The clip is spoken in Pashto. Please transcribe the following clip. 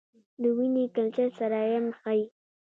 د وینې کلچر جراثیم ښيي.